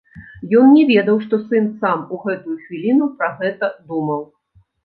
Ён не ведаў, што сын сам у гэтую хвіліну пра гэта думаў.